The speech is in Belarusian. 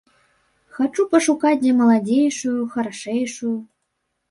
Хачу пашукаць дзе маладзейшую, харашэйшую.